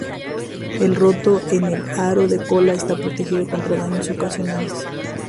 El rotor en el aro de cola está protegido contra daños ocasionales.